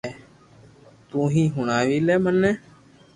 تو ھي ھڻاوي لي مني